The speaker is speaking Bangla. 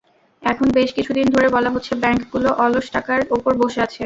এখন বেশ কিছুদিন ধরে বলা হচ্ছে, ব্যাংকগুলো অলস টাকার ওপর বসে আছে।